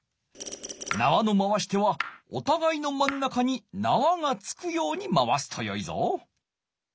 なわの回し手はおたがいの真ん中になわが着くように回すとよいぞ。